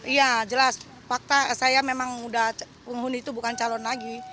iya jelas fakta saya memang penghuni itu bukan calon lagi